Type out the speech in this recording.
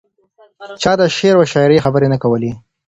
چا د شعر او شاعرۍ خبرې نه کولې.